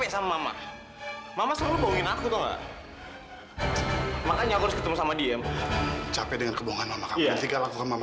sampai jumpa di video selanjutnya